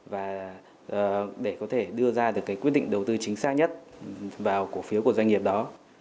và để có thể đưa ra được cái quyết định đầu tư chính xác nhất vào cổ phiếu của doanh nghiệp đó